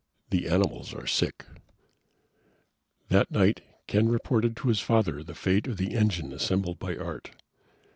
The Animals Are Sick That night, Ken reported to his father the fate of the engine assembled by Art.